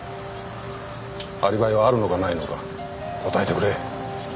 アリバイはあるのかないのか答えてくれ！